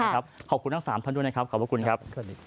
ขอบคุณทั้ง๓ท่านด้วยนะครับขอบคุณครับ